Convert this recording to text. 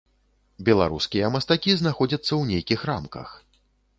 Беларускія мастакі знаходзяцца ў нейкіх рамках.